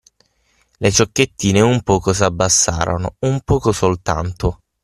Le ciocchettine un poco s'abbassarono, un poco soltanto.